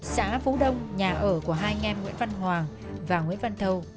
xã phú đông nhà ở của hai em nguyễn văn hoàng và nguyễn văn thâu